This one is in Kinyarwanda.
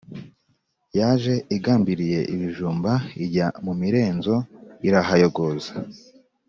Yaje igambiriye ibijumba Ijya mu mirenzo irahayogoza,